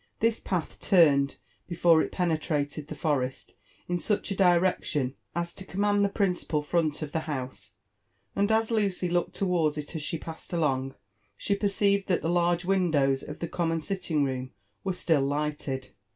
This path tnrned, before it penetrated the forest, in such a direction as to command the principal front of the house ; and as Lucy looked I JONATHAN JEFFERSON WHITLAW. SJ7 ttmsrd9 it ers sher j^assed along, she (Perceived that the large window^ of Ihe comrnoD* sitting room were still lighted.